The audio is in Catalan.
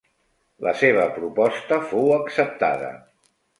La seva proposta fou acceptada.